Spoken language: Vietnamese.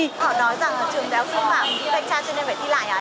họ nói rằng trường đại học sư phạm thanh tra cho nên phải thi lại à